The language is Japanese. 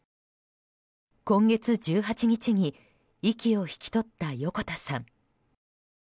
今月１８日に息を引き取った横田さん。